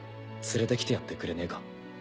連れてきてやってくれねえか。